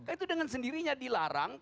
itu dengan sendirinya dilarang